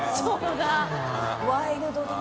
ワイルドだな。